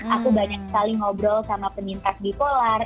aku banyak sekali ngobrol sama penyintas bipolar